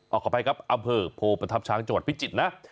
เอากลับไปครับอำเภอโภปธัพช้างจังหวัดพิจิตรนะ